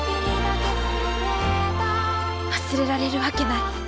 忘れられるわけない。